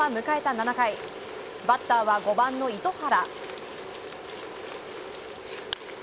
７回バッターは５番の糸原。